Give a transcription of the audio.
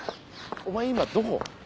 お前今どこ？